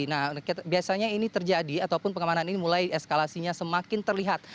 nah biasanya ini terjadi ataupun pengamanan ini mulai eskalasinya semakin terlihat